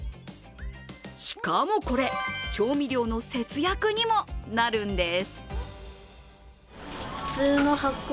しかもこれ、調味料の節約にもなるんです。